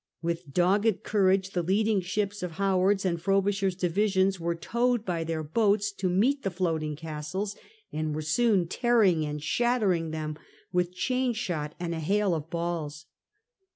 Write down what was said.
With dogged courage the leading ships of Howard's and Frobisher's divisions were towed by their boats to meet the floating castles, and were soon tearing and shattering them with chain shot and a hail of balls.